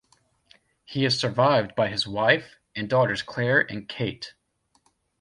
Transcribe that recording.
He is survived by his wife, and daughters Clare and Kate.